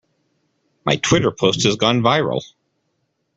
My Twitter post has gone viral.